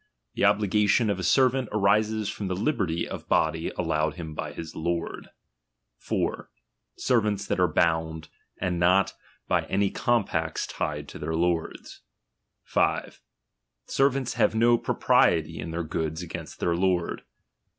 The obligation of a servant arises from the liberty of body allowed him by his lord. 4. Servants that are bound, are not by any compacts tied lo their lords. 5. Servants have no propriety in their goods against iheir lord.